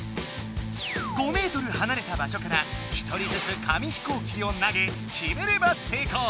５メートルはなれた場所から１人ずつ紙飛行機を投げ決めれば成功！